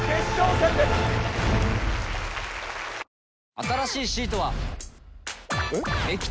新しいシートは。えっ？